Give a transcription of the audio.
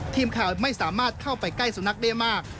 ทีมข่าวไม่สามารถเข้าไปใกล้สุนัขได้มาก